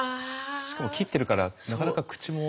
しかも切ってるからなかなか口も。